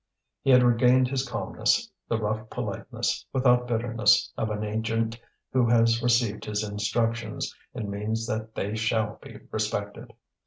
He had regained his calmness, the rough politeness, without bitterness, of an agent who has received his instructions, and means that they shall be respected.